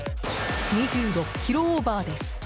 ２６キロオーバーです。